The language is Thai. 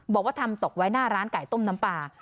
บอกว่าทำตกไว้หน้าร้านไก่ต้มน้ำปลา